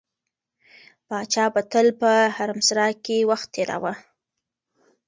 پاچا به تل په حرمسرا کې وخت تېراوه.